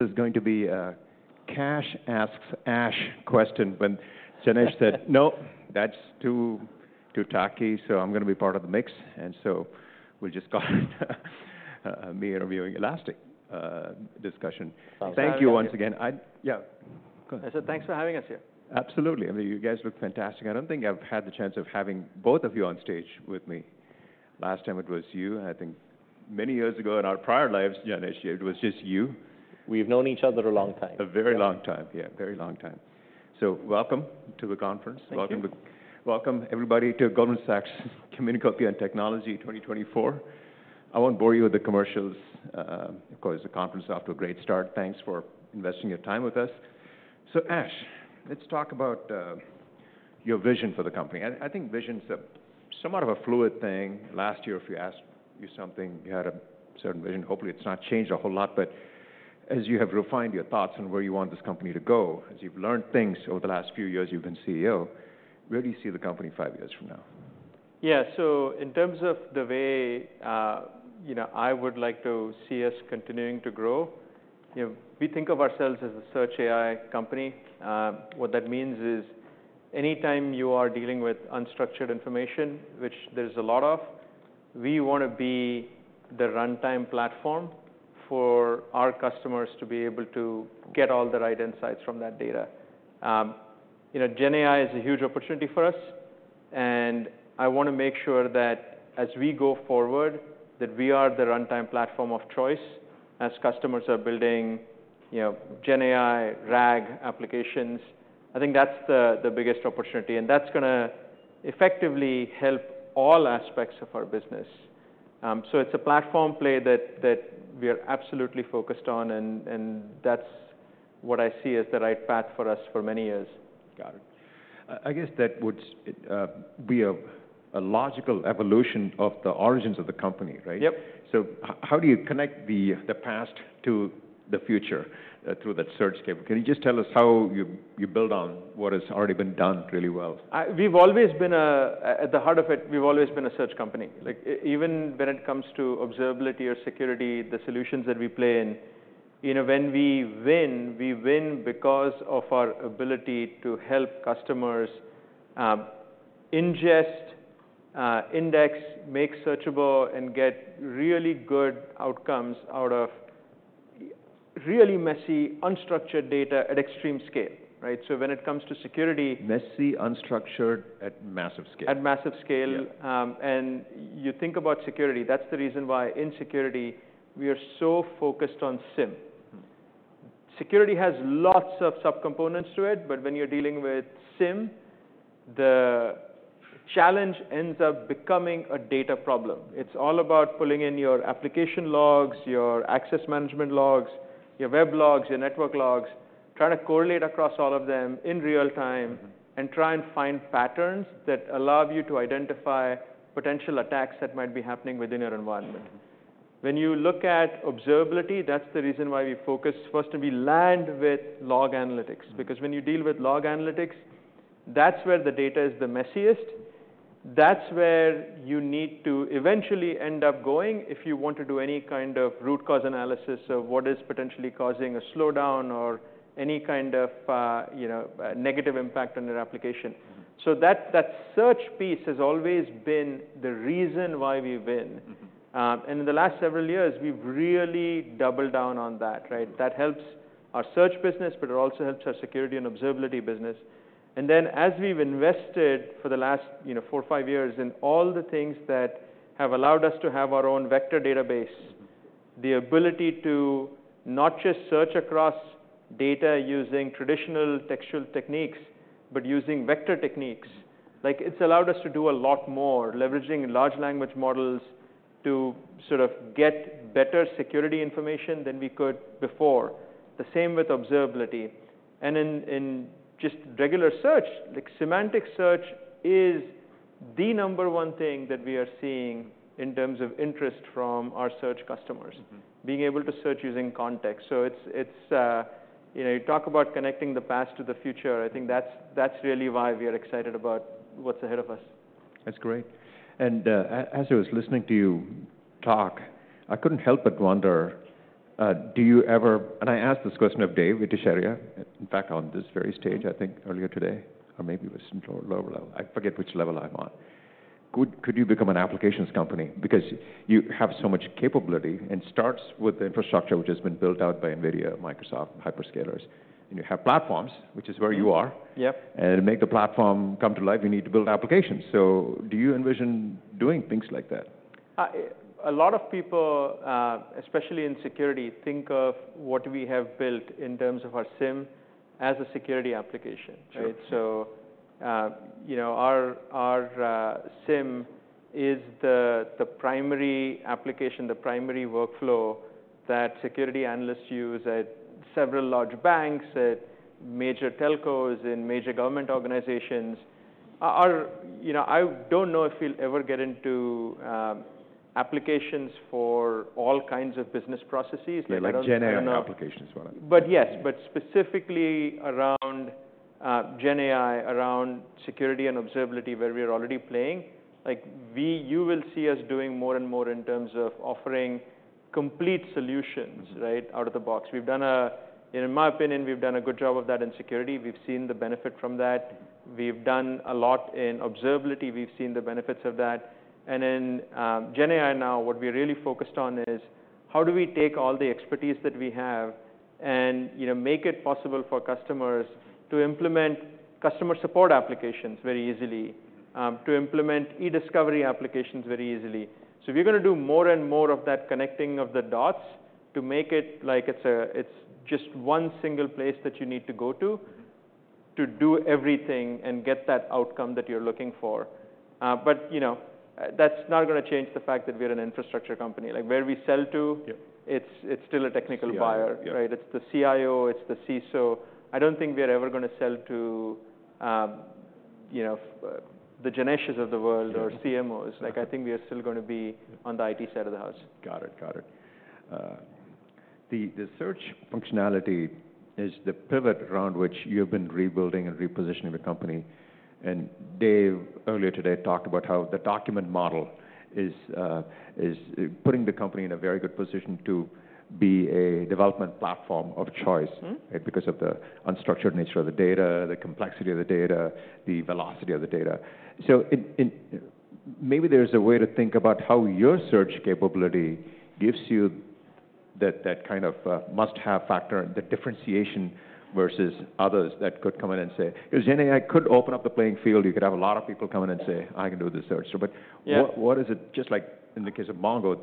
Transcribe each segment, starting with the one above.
This is going to be a Kash asks Ash question, when Janesh said, "No, that's too, too tacky," so I'm gonna be part of the mix, and so we just call it me interviewing Elastic discussion. Sounds good. Thank you once again. Yeah, go ahead. Thanks for having us here. Absolutely. I mean, you guys look fantastic. I don't think I've had the chance of having both of you on stage with me. Last time it was you, and I think many years ago in our prior lives, Janesh, it was just you. We've known each other a long time. A very long time. Yeah, a very long time. So welcome to the conference. Thank you. Welcome, everybody, to Goldman Sachs Communacopia and Technology 2024. I won't bore you with the commercials. Of course, the conference is off to a great start. Thanks for investing your time with us. So Ash, let's talk about your vision for the company. I think vision's a somewhat of a fluid thing. Last year, if we asked you something, you had a certain vision. Hopefully, it's not changed a whole lot, but as you have refined your thoughts on where you want this company to go, as you've learned things over the last few years you've been CEO, where do you see the company five years from now? Yeah. So in terms of the way, you know, I would like to see us continuing to grow, you know, we think of ourselves as a search AI company. What that means is, anytime you are dealing with unstructured information, which there's a lot of, we wanna be the runtime platform for our customers to be able to get all the right insights from that data. You know, GenAI is a huge opportunity for us, and I wanna make sure that as we go forward, that we are the runtime platform of choice as customers are building, you know, GenAI, RAG applications. I think that's the biggest opportunity, and that's gonna effectively help all aspects of our business. So it's a platform play that we are absolutely focused on, and that's what I see as the right path for us for many years. Got it. I guess that would be a logical evolution of the origins of the company, right? Yep. How do you connect the past to the future through that search capability? Can you just tell us how you build on what has already been done really well? We've always been. At the heart of it, we've always been a search company. Like even when it comes to observability or security, the solutions that we play in, you know, when we win, we win because of our ability to help customers, ingest, index, make searchable, and get really good outcomes out of really messy, unstructured data at extreme scale, right? So when it comes to security- Messy, unstructured, at massive scale. At massive scale. Yeah. And you think about security, that's the reason why in security we are so focused on SIEM. Mm. Security has lots of subcomponents to it, but when you're dealing with SIEM, the challenge ends up becoming a data problem. It's all about pulling in your application logs, your access management logs, your web logs, your network logs. Try to correlate across all of them in real time, and try and find patterns that allow you to identify potential attacks that might be happening within your environment. When you look at observability, that's the reason why we focus. First, we land with log analytics. Because when you deal with log analytics, that's where the data is the messiest. That's where you need to eventually end up going if you want to do any kind of root cause analysis of what is potentially causing a slowdown or any kind of, you know, negative impact on your application. So that search piece has always been the reason why we win. And in the last several years, we've really doubled down on that, right? That helps our search business, but it also helps our security and observability business. And then, as we've invested for the last, you know, four or five years, in all the things that have allowed us to have our own vector database the ability to not just search across data using traditional textual techniques, but using vector techniques, like, it's allowed us to do a lot more, leveraging large language models to sort of get better security information than we could before. The same with observability. And in just regular search, like, semantic search is the number one thing that we are seeing in terms of interest from our search customers being able to search using context. So it's, you know, you talk about connecting the past to the future. I think that's really why we are excited about what's ahead of us. That's great. And as I was listening to you talk, I couldn't help but wonder, do you ever... And I asked this question of Dev Ittycheria, in fact, on this very stage, I think earlier today, or maybe it was lower level. I forget which level I'm on. Could you become an applications company? Because you have so much capability, and it starts with the infrastructure, which has been built out by NVIDIA, Microsoft, hyperscalers, and you have platforms, which is where you are. Yep. And to make the platform come to life, you need to build applications. So do you envision doing things like that? A lot of people, especially in security, think of what we have built in terms of our SIEM as a security application, right? Sure. So, you know, our SIEM is the primary application, the primary workflow that security analysts use at several large banks, at major telcos, in major government organizations. Our. You know, I don't know if we'll ever get into applications for all kinds of business processes- Yeah, like generic applications is what I- But yes. But specifically around GenAI around security and observability, where we are already playing, like, you will see us doing more and more in terms of offering complete solutions, right, out of the box. We've done and in my opinion, we've done a good job of that in security. We've seen the benefit from that. We've done a lot in observability. We've seen the benefits of that. And in GenAI now, what we're really focused on is How do we take all the expertise that we have and, you know, make it possible for customers to implement customer support applications very easily, to implement e-discovery applications very easily? So we're gonna do more and more of that connecting of the dots to make it like it's just one single place that you need to go to, to do everything and get that outcome that you're looking for. But, you know, that's not gonna change the fact that we're an infrastructure company. Like, where we sell to- Yeah. It's still a technical buyer. Yeah. Right? It's the CIO, it's the CISO. I don't think we're ever gonna sell to, you know, the Janesh of the world or CMOs. Yeah. Like, I think we are still gonna be on the IT side of the house. Got it. Got it. The search functionality is the pivot around which you've been rebuilding and repositioning the company. And Dev, earlier today, talked about how the document model is putting the company in a very good position to be a development platform of choice because of the unstructured nature of the data, the complexity of the data, the velocity of the data. So... Maybe there's a way to think about how your search capability gives you that, that kind of must-have factor, the differentiation versus others that could come in and say, "Because GenAI could open up the playing field." You could have a lot of people come in and say, "I can do this search too. Yeah. But what, what is it, just like in the case of Mongo,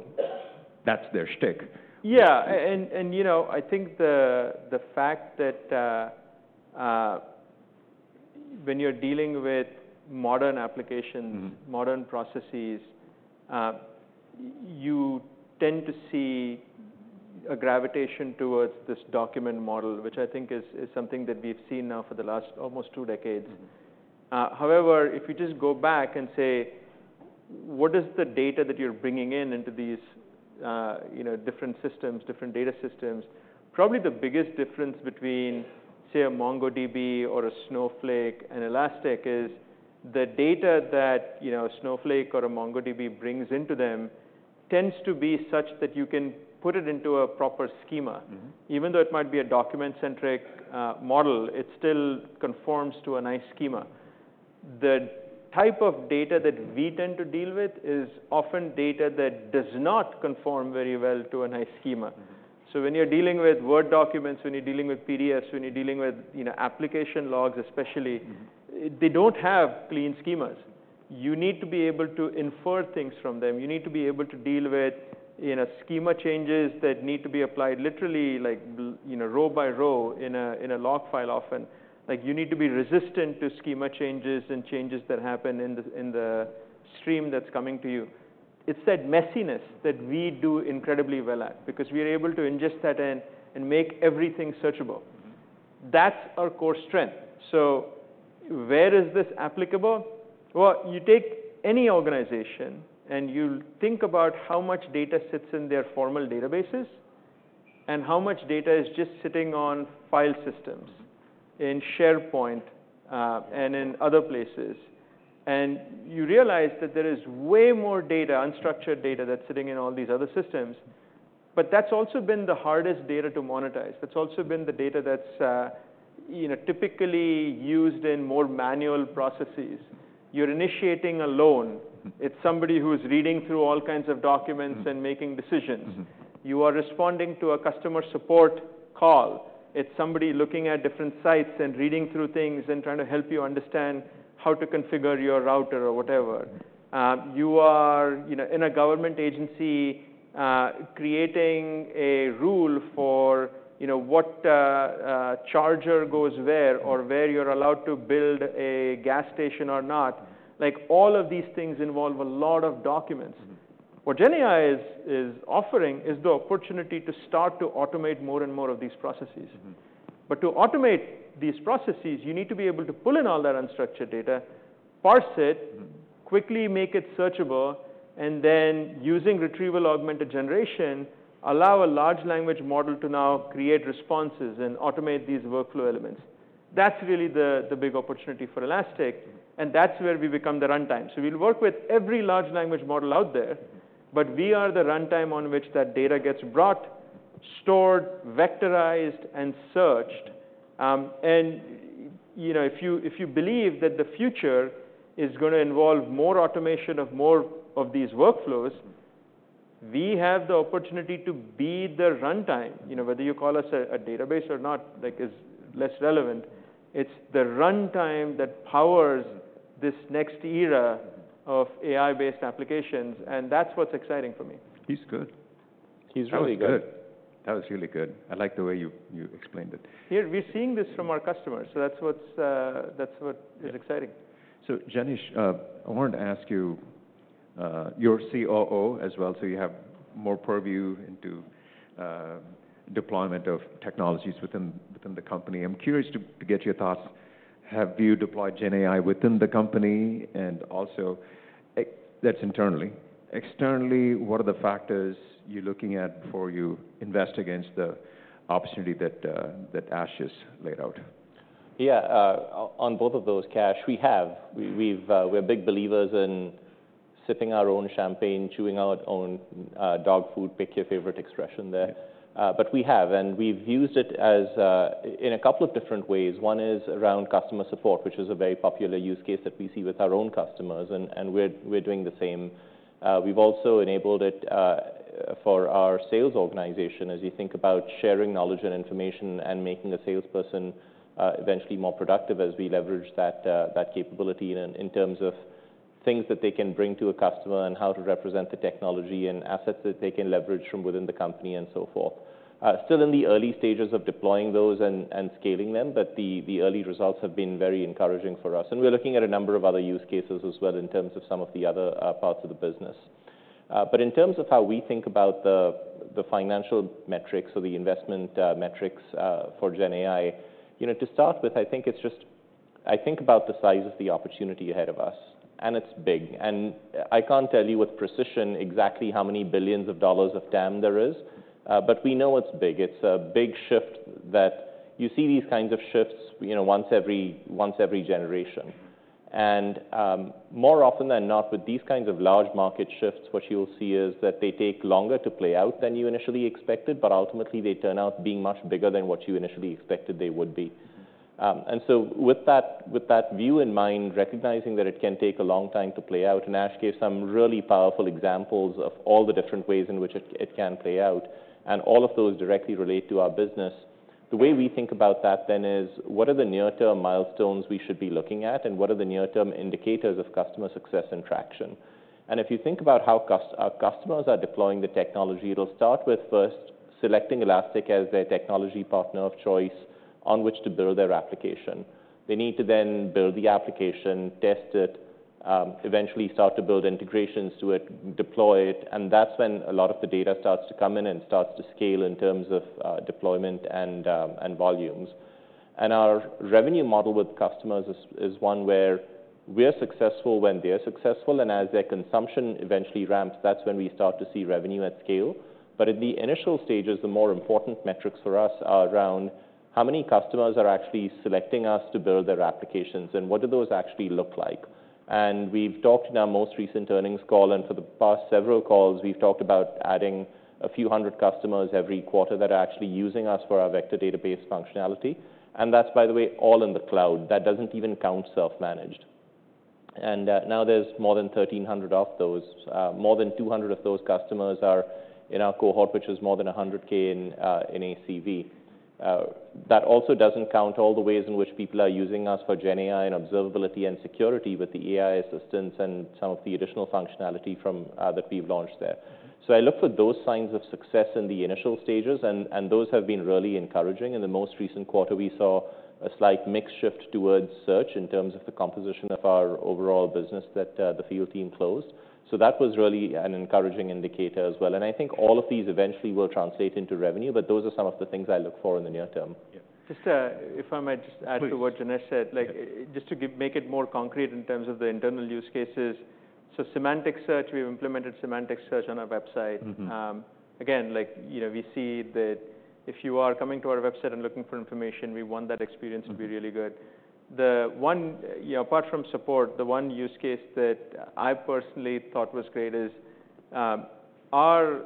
that's their shtick? Yeah. And, you know, I think the fact that when you're dealing with modern applications modern processes, you tend to see a gravitation towards this document model, which I think is something that we've seen now for the last almost two decades. However, if you just go back and say, what is the data that you're bringing in into these, you know, different systems, different data systems? Probably the biggest difference between, say, a MongoDB or a Snowflake and Elastic is the data that, you know, Snowflake or a MongoDB brings into them tends to be such that you can put it into a proper schema. Even though it might be a document-centric model, it still conforms to a nice schema. The type of data that we tend to deal with is often data that does not conform very well to a nice schema. So when you're dealing with Word documents, when you're dealing with PDFs, when you're dealing with, you know, application logs especially they don't have clean schemas. You need to be able to infer things from them. You need to be able to deal with, you know, schema changes that need to be applied literally, like, you know, row by row in a log file often. Like, you need to be resistant to schema changes and changes that happen in the stream that's coming to you. It's that messiness that we do incredibly well at, because we are able to ingest that in and make everything searchable. That's our core strength. So where is this applicable? Well, you take any organization, and you think about how much data sits in their formal databases, and how much data is just sitting on file systems, in SharePoint, and in other places. And you realize that there is way more data, unstructured data, that's sitting in all these other systems, but that's also been the hardest data to monetize. That's also been the data that's, you know, typically used in more manual processes. You're initiating a loan. It's somebody who is reading through all kinds of documents and making decisions. You are responding to a customer support call. It's somebody looking at different sites and reading through things and trying to help you understand how to configure your router or whatever. You are, you know, in a government agency, creating a rule for, you know, what charger goes where or where you're allowed to build a gas station or not. Like, all of these things involve a lot of documents What GenAI is, is offering is the opportunity to start to automate more and more of these processes. But to automate these processes, you need to be able to pull in all that unstructured data, parse it quickly make it searchable, and then using retrieval-augmented generation, allow a large language model to now create responses and automate these workflow elements. That's really the big opportunity for Elastic, and that's where we become the runtime. So we'll work with every large language model out there but we are the runtime on which that data gets brought, stored, vectorized, and searched. And, you know, if you believe that the future is gonna involve more automation of more of these workflows, we have the opportunity to be the runtime. You know, whether you call us a database or not, like, is less relevant. It's the runtime that powers this next era of AI-based applications, and that's what's exciting for me. He's good. He's really good. That was good. That was really good. I like the way you, you explained it. Yeah, we're seeing this from our customers, so that's what is exciting. Janesh, I wanted to ask you, you're COO as well, so you have more purview into deployment of technologies within the company. I'm curious to get your thoughts. Have you deployed GenAI within the company? And also. That's internally. Externally, what are the factors you're looking at before you invest against the opportunity that Ash has laid out? Yeah, on both of those, Kash, we have. We've, we're big believers in sipping our own champagne, chewing our own dog food, pick your favorite expression there. Yes. But we have, and we've used it as in a couple of different ways. One is around customer support, which is a very popular use case that we see with our own customers, and we're doing the same. We've also enabled it for our sales organization, as you think about sharing knowledge and information and making a salesperson eventually more productive as we leverage that capability in terms of things that they can bring to a customer, and how to represent the technology, and assets that they can leverage from within the company, and so forth. Still in the early stages of deploying those and scaling them, but the early results have been very encouraging for us, and we're looking at a number of other use cases as well in terms of some of the other parts of the business. But in terms of how we think about the financial metrics or the investment metrics for GenAI, you know, to start with, I think it's just... I think about the size of the opportunity ahead of us, and it's big. And I can't tell you with precision exactly how many billions of dollars of TAM there is, but we know it's big. It's a big shift that you see these kinds of shifts, you know, once every generation. And, more often than not, with these kinds of large market shifts, what you'll see is that they take longer to play out than you initially expected, but ultimately they turn out being much bigger than what you initially expected they would be. And so with that, with that view in mind, recognizing that it can take a long time to play out, and Ash gave some really powerful examples of all the different ways in which it, it can play out, and all of those directly relate to our business. The way we think about that then is, what are the near-term milestones we should be looking at, and what are the near-term indicators of customer success and traction? If you think about how our customers are deploying the technology, it'll start with first selecting Elastic as their technology partner of choice on which to build their application. They need to then build the application, test it, eventually start to build integrations to it, deploy it, and that's when a lot of the data starts to come in and starts to scale in terms of deployment and volumes. Our revenue model with customers is one where we're successful when they're successful, and as their consumption eventually ramps, that's when we start to see revenue at scale. At the initial stages, the more important metrics for us are around how many customers are actually selecting us to build their applications, and what do those actually look like? And we've talked in our most recent earnings call, and for the past several calls, we've talked about adding a few hundred customers every quarter that are actually using us for our vector database functionality. And that's, by the way, all in the cloud. That doesn't even count self-managed. And, now there's more than 1,300 of those. More than 200 of those customers are in our cohort, which is more than 100K in ACV. That also doesn't count all the ways in which people are using us for GenAI, and observability, and security with the AI assistance and some of the additional functionality from that we've launched there. So I look for those signs of success in the initial stages, and those have been really encouraging. In the most recent quarter, we saw a slight mix shift towards search in terms of the composition of our overall business that the field team closed. So that was really an encouraging indicator as well, and I think all of these eventually will translate into revenue, but those are some of the things I look for in the near term. Yeah. Just, if I might just add Please to what Janesh said, like, just to make it more concrete in terms of the internal use cases, so semantic search, we've implemented semantic search on our website. Again, like, you know, we see that if you are coming to our website and looking for information, we want that experience. To be really good. The one, you know, apart from support, the one use case that I personally thought was great is, our...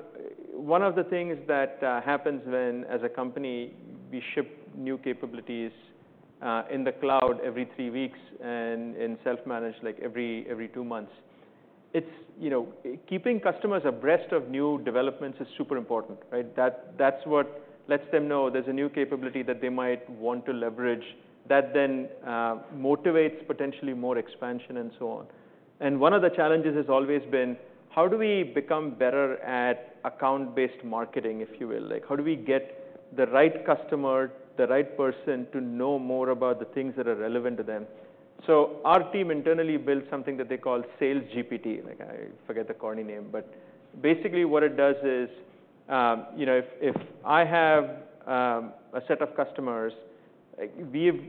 One of the things that happens when, as a company, we ship new capabilities in the cloud every three weeks and in self-managed, like every two months, it's, you know, keeping customers abreast of new developments is super important, right? That, that's what lets them know there's a new capability that they might want to leverage, that then motivates potentially more expansion, and so on. And one of the challenges has always been: How do we become better at account-based marketing, if you will? Like, how do we get the right customer, the right person, to know more about the things that are relevant to them? So our team internally built something that they call Sales GPT. Like, I forget the corny name, but basically what it does is, you know, if I have a set of customers, like we've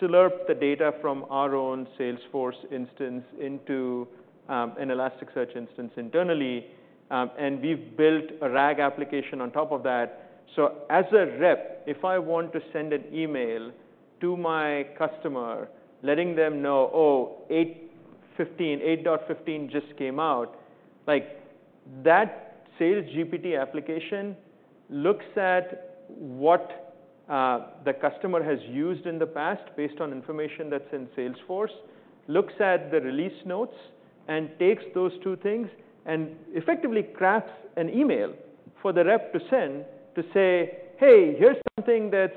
slurped the data from our own Salesforce instance into an Elasticsearch instance internally, and we've built a RAG application on top of that. So as a rep, if I want to send an email to my customer, letting them know, "Oh, eight-fifteen, eight dot fifteen just came out," like, that Sales GPT application looks at what the customer has used in the past, based on information that's in Salesforce, looks at the release notes, and takes those two things and effectively crafts an email for the rep to send, to say, "Hey, here's something that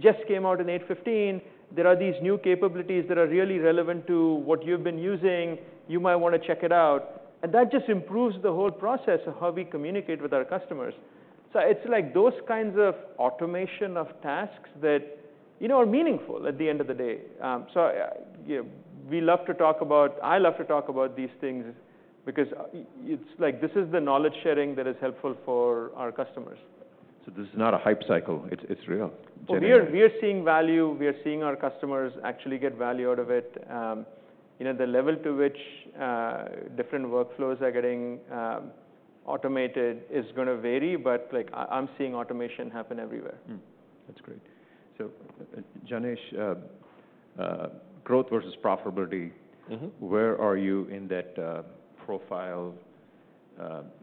just came out in eight-fifteen. There are these new capabilities that are really relevant to what you've been using. You might wanna check it out," and that just improves the whole process of how we communicate with our customers. So it's like those kinds of automation of tasks that, you know, are meaningful at the end of the day. So, you know, we love to talk about. I love to talk about these things because, it's like, this is the knowledge sharing that is helpful for our customers. So this is not a hype cycle, it's real? We are seeing value. We are seeing our customers actually get value out of it. You know, the level to which different workflows are getting automated is gonna vary, but, like, I'm seeing automation happen everywhere. That's great. So, Janesh, growth versus profitability. Where are you in that profile?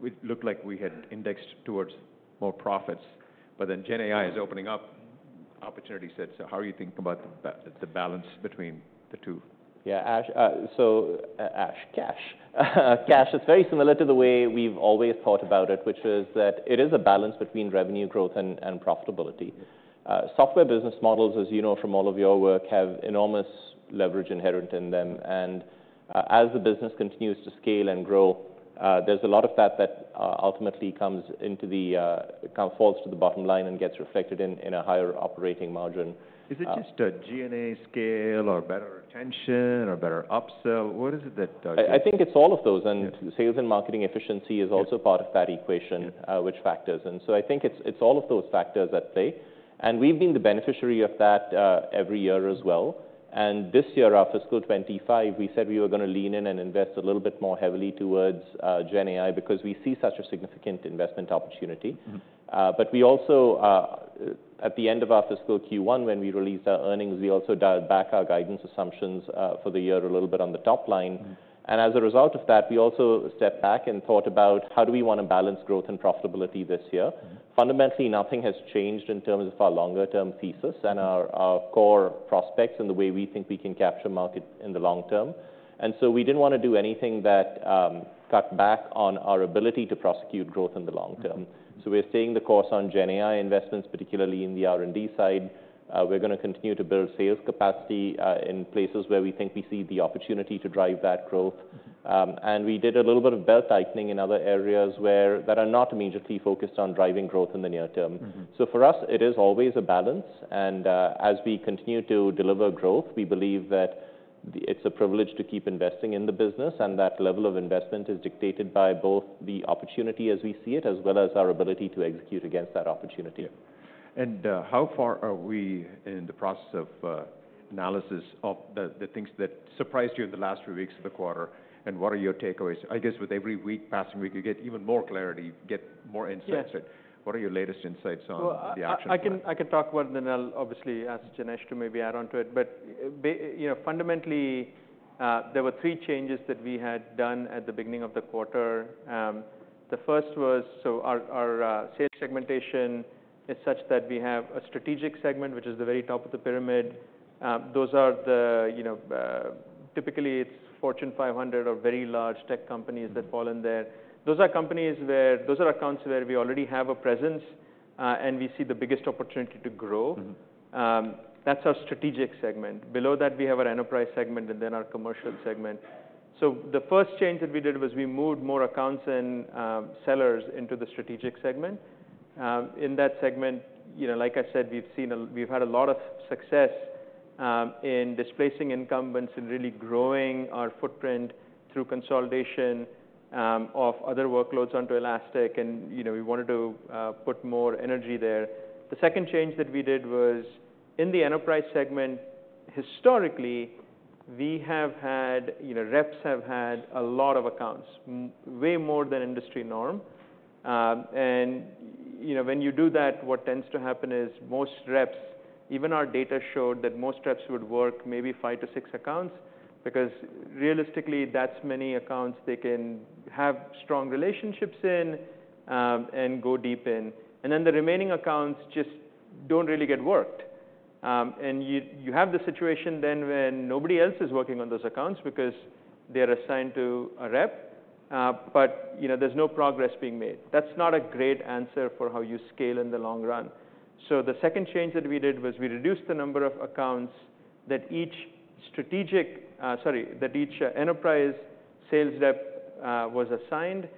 It looked like we had indexed towards more profits, but then GenAI is opening up opportunity sets. So how are you thinking about the balance between the two? Yeah, Ash, so Ash, Kash, it's very similar to the way we've always thought about it, which is that it is a balance between revenue growth and profitability. Software business models, as you know from all of your work, have enormous leverage inherent in them, and as the business continues to scale and grow, there's a lot of that ultimately comes into the kind of falls to the bottom line and gets reflected in a higher operating margin. Is it just a GenAI scale or better retention or better upsell? What is it that, I think it's all of those, and sales and marketing efficiency is also part of that equation. Which factors. And so I think it's all of those factors at play, and we've been the beneficiary of that, every year as well. And this year, our fiscal twenty-five, we said we were gonna lean in and invest a little bit more heavily towards GenAI, because we see such a significant investment opportunity. But we also, at the end of our fiscal Q1, when we released our earnings, we also dialed back our guidance assumptions, for the year a little bit on the top line. As a result of that, we also stepped back and thought about: how do we wanna balance growth and profitability this year? Fundamentally, nothing has changed in terms of our longer term thesis and our core prospects and the way we think we can capture market in the long term, and so we didn't wanna do anything that cut back on our ability to prosecute growth in the long term. So we're staying the course on GenAI investments, particularly in the R&D side. We're gonna continue to build sales capacity, in places where we think we see the opportunity to drive that growth. And we did a little bit of belt-tightening in other areas where that are not immediately focused on driving growth in the near term. So for us, it is always a balance, and, as we continue to deliver growth, we believe that it's a privilege to keep investing in the business, and that level of investment is dictated by both the opportunity as we see it, as well as our ability to execute against that opportunity. And, how far are we in the process of analysis of the things that surprised you in the last few weeks of the quarter, and what are your takeaways? I guess with every week passing, we could get even more clarity, get more insights. Yeah, but what are your latest insights on the action plan? Well, I can talk about it, and then I'll obviously ask Janesh to maybe add on to it. But you know, fundamentally, there were three changes that we had done at the beginning of the quarter. The first was, so our sales segmentation is such that we have a strategic segment, which is the very top of the pyramid. Those are the, you know, typically, it's Fortune 500 or very large tech companies. Mm, that fall in there. Those are accounts where we already have a presence, and we see the biggest opportunity to grow. That's our strategic segment. Below that, we have our enterprise segment, and then our commercial segment. So the first change that we did was we moved more accounts and sellers into the strategic segment. In that segment, you know, like I said, we've had a lot of success in displacing incumbents and really growing our footprint through consolidation of other workloads onto Elastic, and, you know, we wanted to put more energy there. The second change that we did was in the enterprise segment, historically, we have had. You know, reps have had a lot of accounts, way more than industry norm. You know, when you do that, what tends to happen is most reps, even our data showed that most reps would work maybe five to six accounts, because realistically, that's many accounts they can have strong relationships in, and go deep in. The remaining accounts just don't really get worked. You have the situation then when nobody else is working on those accounts because they're assigned to a rep, but you know, there's no progress being made. That's not a great answer for how you scale in the long run. The second change that we did was we reduced the number of accounts that each enterprise sales rep was assigned,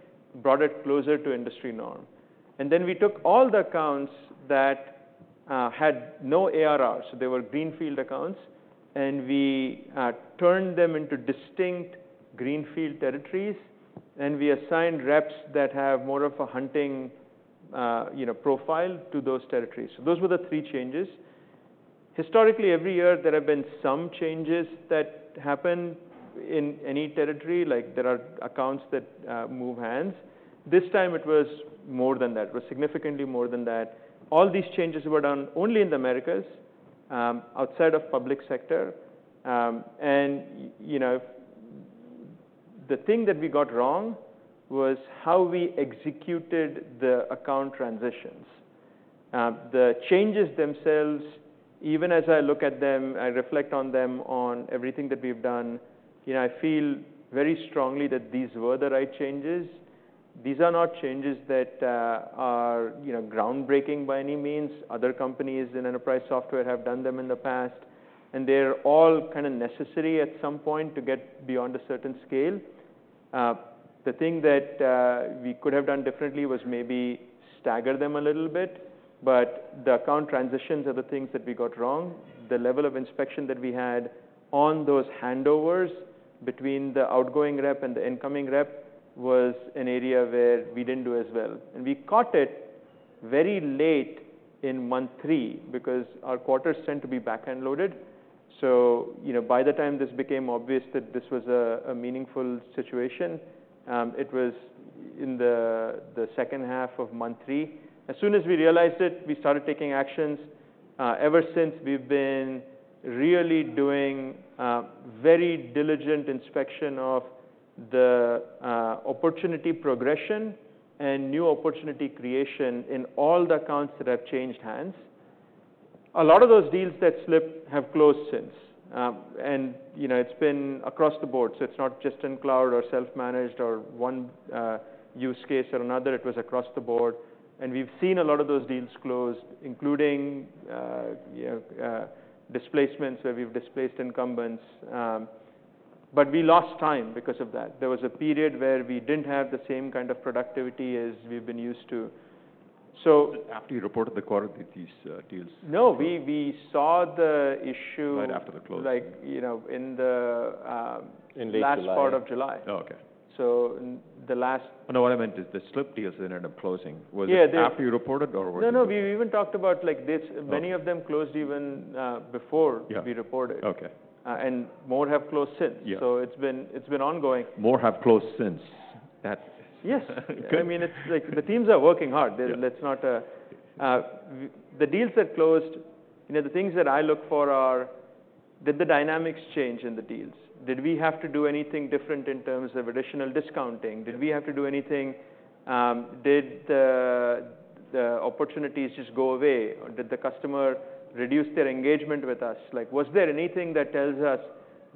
brought it closer to industry norm. And then we took all the accounts that had no ARRs, so they were greenfield accounts, and we turned them into distinct greenfield territories, and we assigned reps that have more of a hunting, you know, profile to those territories. So those were the three changes. Historically, every year, there have been some changes that happen in any territory, like there are accounts that change hands. This time it was more than that. It was significantly more than that. All these changes were done only in the Americas, outside of public sector. And you know, the thing that we got wrong was how we executed the account transitions. The changes themselves, even as I look at them, I reflect on them, on everything that we've done, you know, I feel very strongly that these were the right changes. These are not changes that are, you know, groundbreaking by any means. Other companies in enterprise software have done them in the past, and they're all kind of necessary at some point to get beyond a certain scale. The thing that we could have done differently was maybe stagger them a little bit, but the account transitions are the things that we got wrong. The level of inspection that we had on those handovers between the outgoing rep and the incoming rep was an area where we didn't do as well, and we caught it very late in month three, because our quarters tend to be back-end loaded, so you know, by the time this became obvious that this was a meaningful situation, it was in the second half of month three. As soon as we realized it, we started taking actions. Ever since, we've been really doing very diligent inspection of the opportunity progression and new opportunity creation in all the accounts that have changed hands. A lot of those deals that slipped have closed since, and you know, it's been across the board, so it's not just in cloud or self-managed or one use case or another. It was across the board, and we've seen a lot of those deals closed, including you know, displacements, where we've displaced incumbents, but we lost time because of that. There was a period where we didn't have the same kind of productivity as we've been used to. So After you reported the quarter, these, deals No, we saw the issue Right after the close like, you know, in the, In late July last part of July. Oh, okay. So in the last No, what I meant is, the slipped deals that ended up closing- Yeah, they Was it after you reported or were they? No, no, we even talked about, like, this Okay. Many of them closed even before Yeah We reported. Okay. And more have closed since. Yeah. So it's been, it's been ongoing. More have closed since that? Yes. Okay. I mean, it's like, the teams are working hard. Yeah. Let's not the deals that closed, you know. The things that I look for are: Did the dynamics change in the deals? Did we have to do anything different in terms of additional discounting? Did we have to do anything. Did the opportunities just go away, or did the customer reduce their engagement with us? Like, was there anything that tells us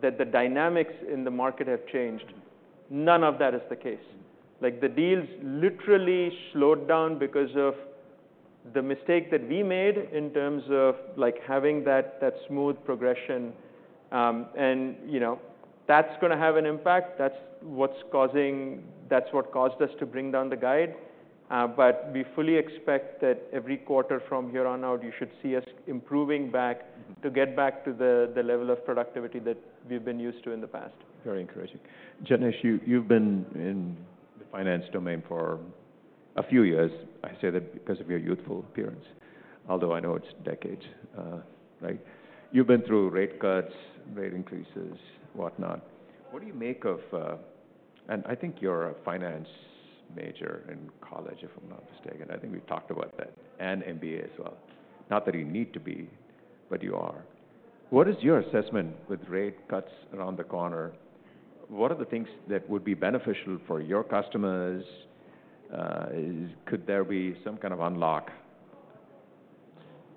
that the dynamics in the market have changed? None of that is the case. Like, the deals literally slowed down because of the mistake that we made in terms of, like, having that smooth progression. And, you know, that's gonna have an impact. That's what's causing. That's what caused us to bring down the guide. But we fully expect that every quarter from here on out, you should see us improving back to get back to the level of productivity that we've been used to in the past. Very encouraging. Janesh, you've been in the finance domain for a few years. I say that because of your youthful appearance, although I know it's decades. Right? You've been through rate cuts, rate increases, whatnot. What do you make of... and I think you're a finance major in college, if I'm not mistaken. I think we've talked about that, and MBA as well. Not that you need to be, but you are. What is your assessment with rate cuts around the corner? What are the things that would be beneficial for your customers? Could there be some kind of unlock?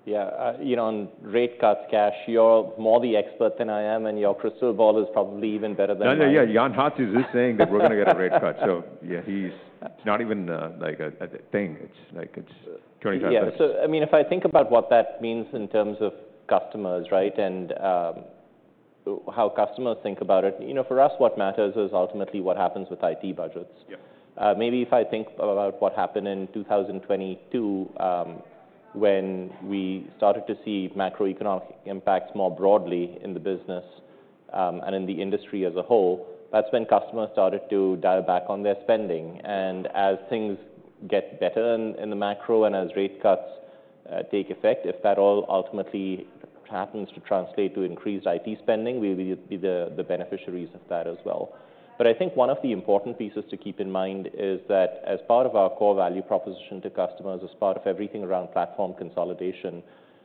Yeah, you know, on rate cuts, Kash, you're more the expert than I am, and your crystal ball is probably even better than mine. No, no, yeah, Jan Hatzius is saying that we're gonna get a rate cut. So yeah, he's. It's not even like a thing. It's like it's 25%. Yeah. So, I mean, if I think about what that means in terms of customers, right? And, how customers think about it, you know, for us, what matters is ultimately what happens with IT budgets. Yeah. Maybe if I think about what happened in 2022, when we started to see macroeconomic impacts more broadly in the business, and in the industry as a whole, that's when customers started to dial back on their spending. And as things get better in the macro and as rate cuts take effect, if that all ultimately happens to translate to increased IT spending, we will be the beneficiaries of that as well. But I think one of the important pieces to keep in mind is that as part of our core value proposition to customers, as part of everything around platform consolidation,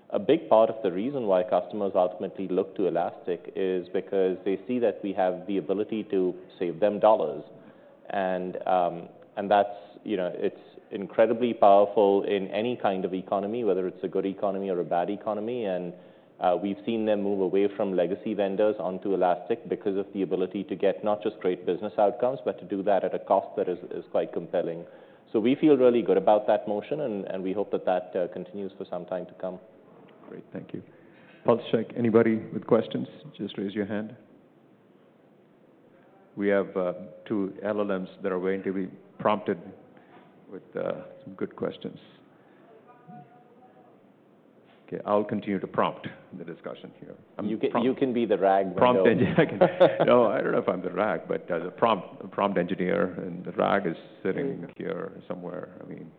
a big part of the reason why customers ultimately look to Elastic is because they see that we have the ability to save them dollars. That's, you know, it's incredibly powerful in any kind of economy, whether it's a good economy or a bad economy. We've seen them move away from legacy vendors onto Elastic because of the ability to get not just great business outcomes, but to do that at a cost that is quite compelling. We feel really good about that motion, and we hope that that continues for some time to come. Great. Thank you. Pulse check. Anybody with questions, just raise your hand. We have two LLMs that are waiting to be prompted with some good questions. Okay, I'll continue to prompt the discussion here. I mean, prompt- You can, you can be the RAG right now. Prompt engineer. No, I don't know if I'm the RAG, but the prompt engineer, and the RAG is sitting here somewhere. I mean,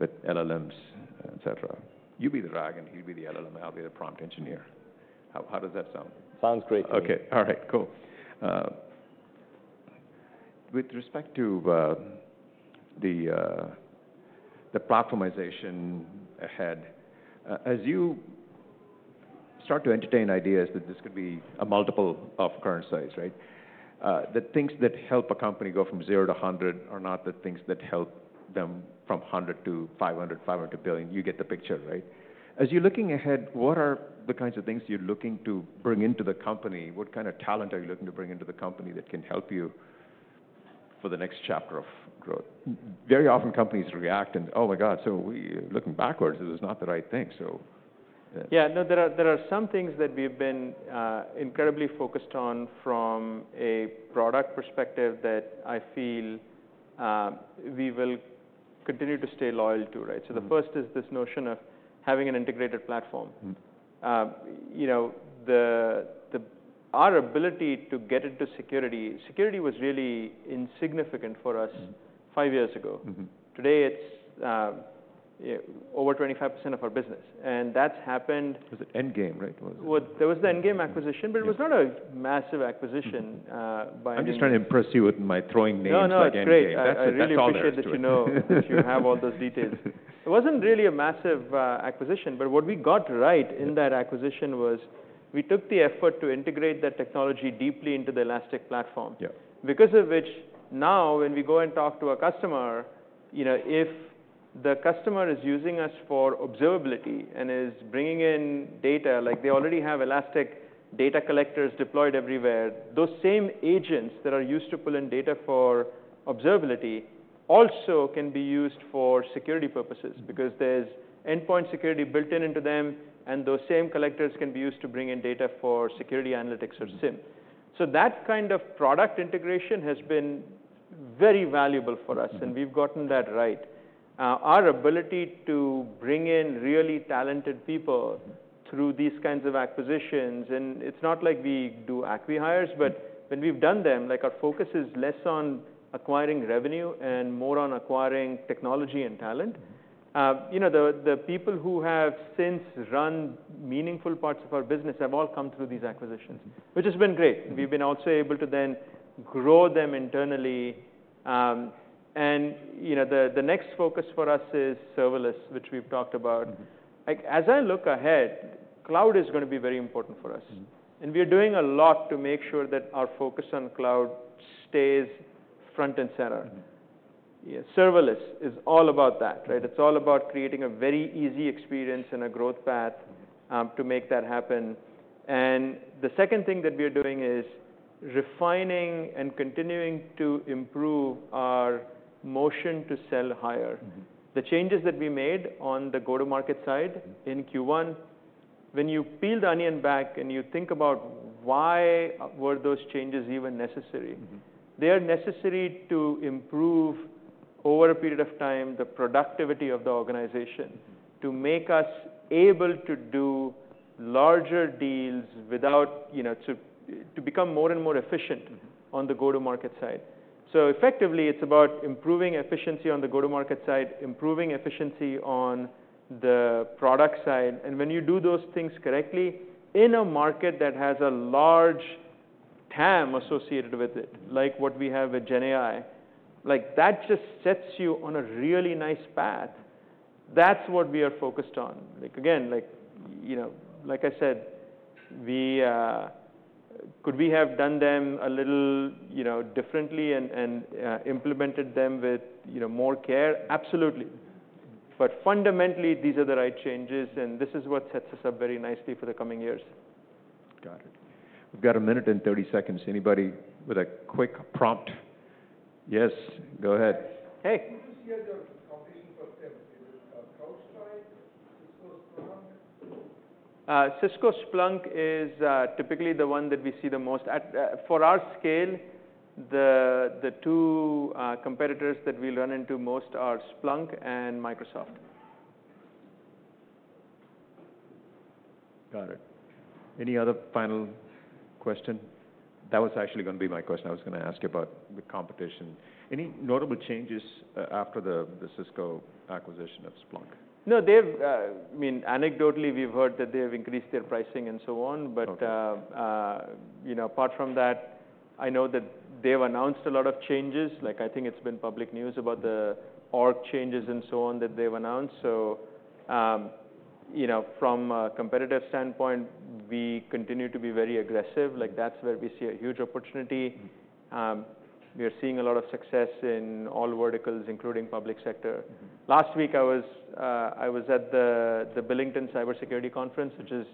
with LLMs, et cetera. You be the RAG, and he'll be the LLM, and I'll be the prompt engineer. How, how does that sound? Sounds great to me. Okay. All right, cool. With respect to the platformization ahead, as you start to entertain ideas that this could be a multiple of current size, right? The things that help a company go from zero to hundred are not the things that help them from hundred to five hundred, five hundred to billion. You get the picture, right? As you're looking ahead, what are the kinds of things you're looking to bring into the company? What kind of talent are you looking to bring into the company that can help you for the next chapter of growth? Very often companies react, and, "Oh, my God," so looking backwards is not the right thing, so... Yeah, no, there are some things that we've been incredibly focused on from a product perspective that I feel we will continue to stay loyal to, right? The first is this notion of having an integrated platform. You know, our ability to get into security was really insignificant for us five years ago. Today, it's over 25% of our business, and that's happened- Was it Endgame, right, was it? There was the Endgame acquisition but it was not a massive acquisition, by any means. I'm just trying to impress you with my throwing names like Endgame. No, no, it's great. That's, that's all there is to it. I really appreciate that you know, that you have all those details. It wasn't really a massive acquisition, but what we got right in that acquisition was we took the effort to integrate the technology deeply into the Elastic platform. Yeah. Because of which, now when we go and talk to a customer, you know, if the customer is using us for observability and is bringing in data, like they already have Elastic data collectors deployed everywhere, those same agents that are used to pull in data for observability also can be used for security purposes. Because there's endpoint security built into them, and those same collectors can be used to bring in data for security analytics or SIEM, so that kind of product integration has been very valuable for us and we've gotten that right. Our ability to bring in really talented people through these kinds of acquisitions, and it's not like we do acqui-hires, but when we've done them, like, our focus is less on acquiring revenue and more on acquiring technology and talent. You know, the people who have since run meaningful parts of our business have all come through these acquisitions, which has been great. We've been also able to then grow them internally. You know, the next focus for us is serverless, which we've talked about. Like, as I look ahead, cloud is gonna be very important for us. We are doing a lot to make sure that our focus on cloud stays front and center. Yeah, serverless is all about that, right? It's all about creating a very easy experience and a growth path to make that happen. And the second thing that we are doing is refining and continuing to improve our motion to sell higher. The changes that we made on the go-to-market side in Q1, when you peel the onion back and you think about why were those changes even necessary? They are necessary to improve, over a period of time, the productivity of the organization to make us able to do larger deals without, you know, to become more and more efficient on the go-to-market side. So effectively, it's about improving efficiency on the go-to-market side, improving efficiency on the product side, and when you do those things correctly, in a market that has a large TAM associated with it, like what we have with GenAI, like, that just sets you on a really nice path. That's what we are focused on. Like, again, like, you know, like I said, we could have done them a little, you know, differently, and implemented them with, you know, more care? Absolutely. But fundamentally, these are the right changes, and this is what sets us up very nicely for the coming years. Got it. We've got a minute and thirty seconds. Anybody with a quick prompt? Yes, go ahead. Ash. Hey. Who do you see as your competition for Splunk? Is it CrowdStrike, Cisco Splunk? Cisco Splunk is typically the one that we see the most. For our scale, the two competitors that we run into most are Splunk and Microsoft. Got it. Any other final question? That was actually gonna be my question. I was gonna ask you about the competition. Any notable changes after the Cisco acquisition of Splunk? No, they've. I mean, anecdotally, we've heard that they have increased their pricing and so on, but. Okay you know, apart from that, I know that they've announced a lot of changes. Like, I think it's been public news about the org changes and so on that they've announced. So, you know, from a competitive standpoint, we continue to be very aggressive. Like, that's where we see a huge opportunity. We are seeing a lot of success in all verticals, including public sector. Last week, I was at the Billington Cybersecurity Summit, which is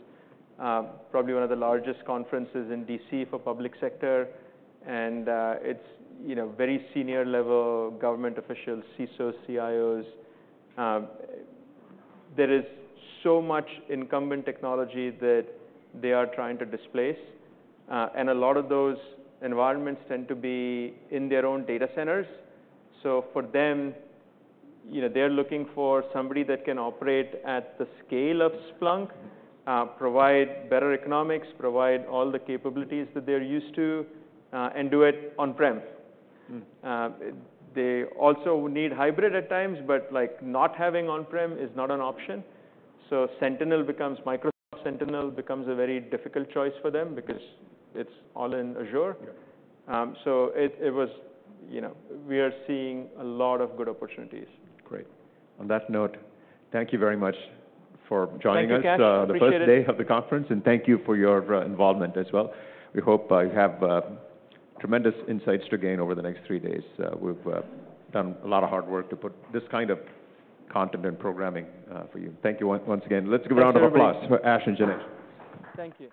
probably one of the largest conferences in DC for public sector, and it's, you know, very senior level government officials, CISO, CIOs. There is so much incumbent technology that they are trying to displace, and a lot of those environments tend to be in their own data centers. So for them, you know, they're looking for somebody that can operate at the scale of Splunk, provide better economics, provide all the capabilities that they're used to, and do it on-prem. They also need hybrid at times, but, like, not having on-prem is not an option. So Microsoft Sentinel becomes a very difficult choice for them because it's all in Azure. Yeah. You know, we are seeing a lot of good opportunities. Great. On that note, thank you very much for joining us- Thank you, Kash. Appreciate it. The first day of the conference, and thank you for your involvement as well. We hope you have tremendous insights to gain over the next three days. We've done a lot of hard work to put this kind of content and programming for you. Thank you once again. Thanks, everybody. Let's give a round of applause for Ash and Janesh. Thank you.